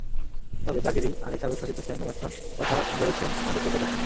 তবে ক্লার্কেরই আরেক সাবেক সতীর্থ শেন ওয়াটসন কথা বরেছেন সাবেক কোচের পক্ষে।